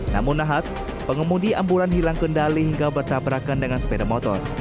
namun nahas pengemudi ambulan hilang kendali hingga bertabrakan dengan sepeda motor